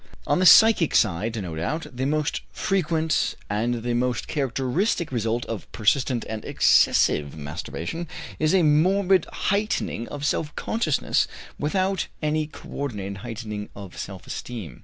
On the psychic side, no doubt, the most frequent and the most characteristic result of persistent and excessive masturbation is a morbid heightening of self consciousness without any co ordinated heightening of self esteem.